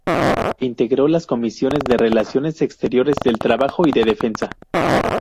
Integró las comisiones de relaciones exteriores, del trabajo y de defensa.